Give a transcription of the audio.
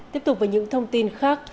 tiếp tục với những thông tin khác